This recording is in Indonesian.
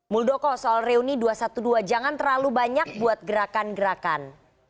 muldoko soal reuni dua ratus dua belas jangan terlalu banyak buat gerakan gerakan